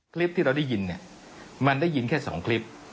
คลิปที่เราได้ยินเนี่ยมันได้ยินแค่๒คลิป